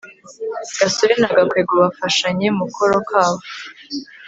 gasore na gakwego bafashanya mukoro kabo